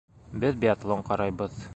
Беҙ биатлон ҡарайбыҙ.